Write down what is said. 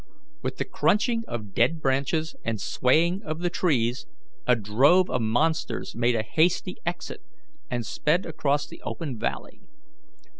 With the crunching of dead branches and swaying of the trees, a drove of monsters made a hasty exit and sped across the open valley.